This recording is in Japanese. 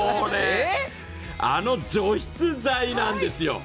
あの除湿剤なんですよ。